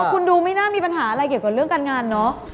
คุณดูไม่น่ามีปัญหาอะไรเกี่ยวกับเรื่องการงานเนอะ